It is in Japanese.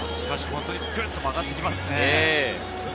本当にグッと曲がってきますね。